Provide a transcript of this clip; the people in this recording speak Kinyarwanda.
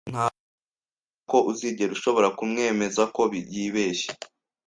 Ntabwo bishoboka ko uzigera ushobora kumwemeza ko yibeshye